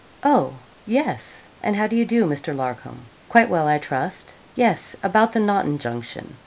'Oh, yes; and how do you do, Mr. Larcom? Quite well, I trust. Yes about the Naunton Junction.